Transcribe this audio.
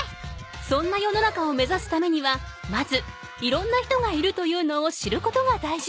そんな世の中を目指すためにはまずいろんな人がいるというのを知ることが大事。